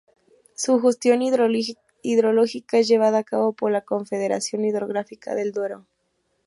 Su gestión hidrológica es llevada a cabo por la Confederación Hidrográfica del Duero.